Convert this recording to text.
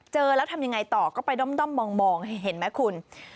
เจอแล้วทำยังไงต่อก็ไปด้อมมองเห็นไหมคุณ